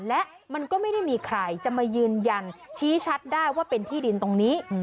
และมันก็ไม่ได้มีใครจะมายืนยันชี้ชัดได้ว่าเป็นที่ดินตรงนี้